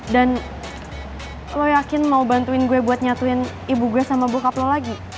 dan lo yakin mau bantuin gue buat nyatuin ibu gue sama bokap lo lagi